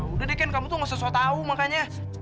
udah deh ken kamu tuh gak sesuatu tahu makanya